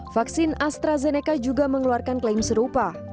vaksin astrazeneca juga mengeluarkan klaim serupa